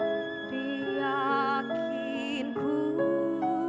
dari yakin ku teguh